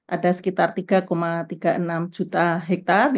ada sekitar tiga tiga puluh enam juta hektare